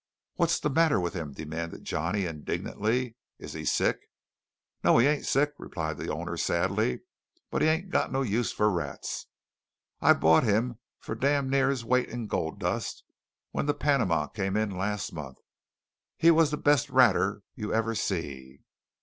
"What's the matter with him?" demanded Johnny indignantly; "is he sick?" "No, he ain't sick," replied the owner sadly; "but he ain't got no use for rats. I bought him for damn near his weight in gold dust when the Panama came in last month. He was the best ratter you ever see.